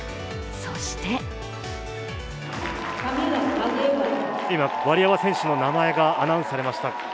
そして今、ワリエワ選手の名前がアナウンスされました。